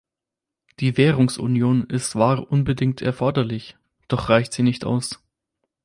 Die Währungsunion ist war unbedingt erforderlich, doch reicht sie nicht aus.